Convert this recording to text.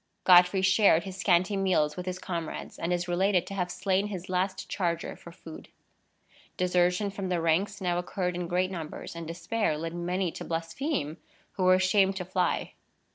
Godfrey shared his scanty meals with his comrades, and is related to have slain his last charger for food. Desertion from the ranks now occurred in great numbers, and despair led many to blaspheme who were ashamed to fly.